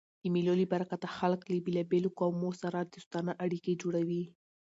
د مېلو له برکته خلک له بېلابېلو قومو سره دوستانه اړيکي جوړوي.